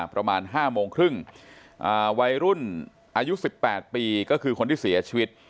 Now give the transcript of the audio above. ประมาณ๕โมงครึ่งวัยรุ่นอายุ๑๘ปีก็คือคนที่เสียชีวิต